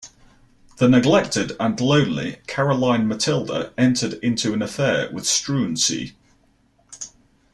The neglected and lonely Caroline Matilda entered into an affair with Struensee.